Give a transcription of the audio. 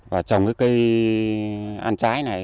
và trồng cái cây ăn trái này